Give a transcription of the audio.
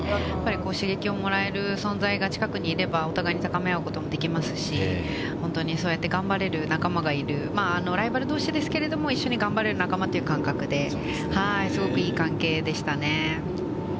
刺激をもらえる存在が近くにいれば、お互いに高め合うこともできますし、本当にそうやって頑張れる仲間がいる、ライバルどうしですけれども、一緒に頑張れる仲間という感覚で、すごくいい関係でしたね。